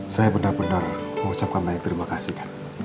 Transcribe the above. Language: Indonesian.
saya benar benar mengucapkan baik terima kasih